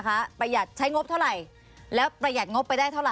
ขอบคุณนะครับ